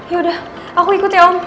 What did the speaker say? ya udah aku ikut ya om